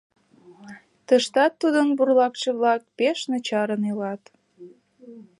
Тыштат тудын бурлакше-влак пеш начарын илат.